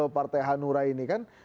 partai hanura ini kan